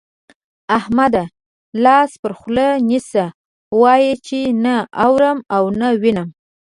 احمده! لاس پر خوله نيسه، وايه چې نه اورم او نه وينم.